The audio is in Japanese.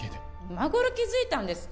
今頃気づいたんですか？